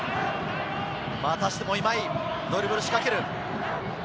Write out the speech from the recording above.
またしても今井、ドリブルを仕掛ける。